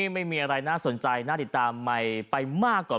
ไม่มีอะไรน่าสนใจน่าติดตามใหม่ไปมากกว่า